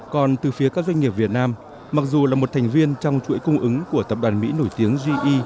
còn từ phía các doanh nghiệp việt nam mặc dù là một thành viên trong chuỗi cung ứng của tập đoàn mỹ nổi tiếng ge